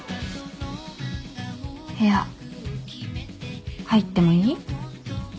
部屋入ってもいい？